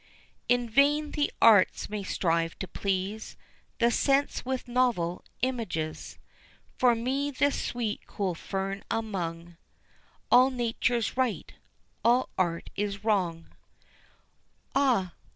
In vain the arts may strive to please The sense with novel images; For me, this sweet, cool fern among, All Nature's right, all Art is wrong; Ah!